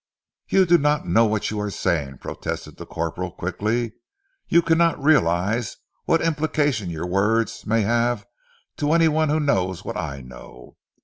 "You do not know what you are saying," protested the corporal quickly. "You cannot realize what implication your words may have to any one who knows what I know.